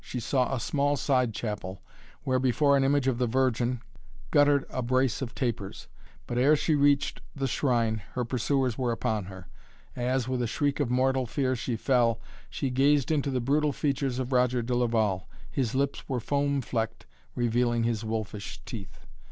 She saw a small side chapel, where, before an image of the Virgin, guttered a brace of tapers. But ere she reached the shrine her pursuers were upon her. As, with a shriek of mortal fear she fell, she gazed into the brutal features of Roger de Laval. His lips were foam flecked, revealing his wolfish teeth.